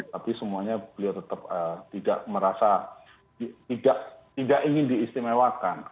tapi semuanya beliau tetap tidak merasa tidak ingin diistimewakan